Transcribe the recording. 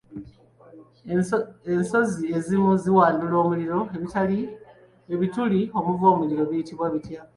Ensozi ezimu ziwandula omuliro ebituli omuva omuliro biyitibwa bitya?